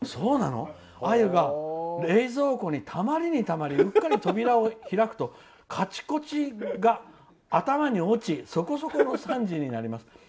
「アユが冷蔵庫にたまりにたまりうっかり扉を開くとカチコチが頭に落ちそこそこの惨事になります。